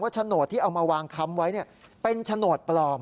โฉนดที่เอามาวางค้ำไว้เป็นโฉนดปลอม